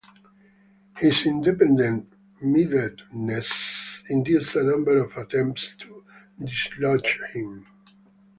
His independent-mindedness induced a number of attempts to dislodge him.